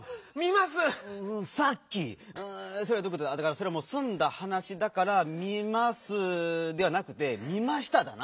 それはもうすんだはなしだから「みます」ではなくて「みました」だな。